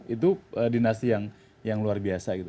itu dinasti yang luar biasa gitu